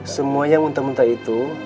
semua yang muntah muntah itu